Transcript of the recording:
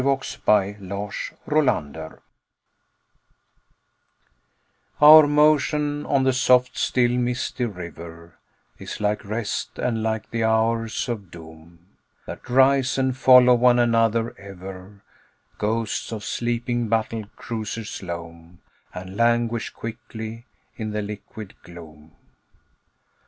POEMS COMING TO PORT Our motion on the soft still misty river Is like rest; and like the hours of doom That rise and follow one another ever, Ghosts of sleeping battle cruisers loom And languish quickly in the liquid gloom.